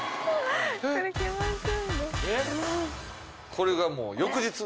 これがもう翌日？